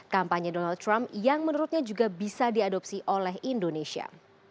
kampanye donald trump yang menurutnya juga bisa diadopsi oleh indonesia